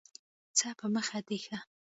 ځه په مخه دي ښه !